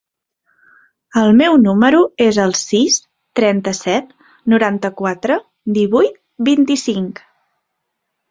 El meu número es el sis, trenta-set, noranta-quatre, divuit, vint-i-cinc.